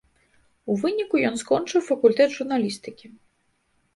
У выніку ён скончыў факультэт журналістыкі.